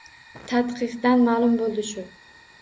Tadqiqdan ma’lum bo‘ldi shu.